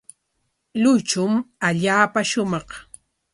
Luychum allaapa shumaq.